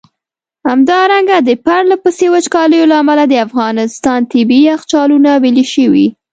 همدارنګه د پرله پسي وچکالیو له امله د افغانستان ٪ طبیعي یخچالونه ویلي شوي.